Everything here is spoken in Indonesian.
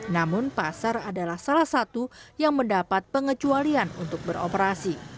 namun pasar adalah salah satu yang mendapat pengecualian untuk beroperasi